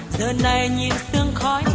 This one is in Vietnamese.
giờ này nhìn sương khói